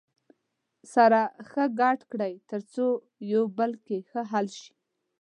سره ښه ګډ کړئ تر څو یو په بل کې ښه حل شي.